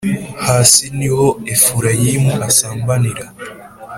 Hs ni ho Efurayimu asambanira